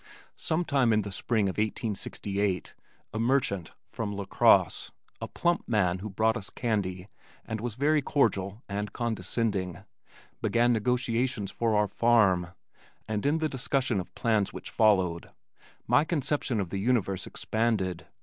Sometime in the spring of 1868, a merchant from LaCrosse, a plump man who brought us candy and was very cordial and condescending, began negotiations for our farm, and in the discussion of plans which followed, my conception of the universe expanded.